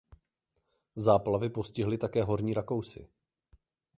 Záplavy postihly také Horní Rakousy.